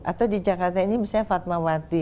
atau di jakarta ini misalnya fatmawati